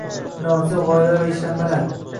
Innovatsion g‘oyalar va ishlanmalar